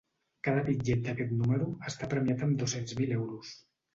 Cada bitllet d’aquest número està premiat amb dos-cents mil euros.